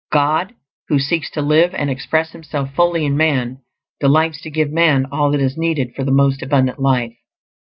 God, who seeks to live and express himself fully in man, delights to give man all that is needed for the most abundant life.